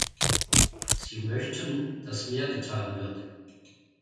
Sie möchten, dass mehr getan wird.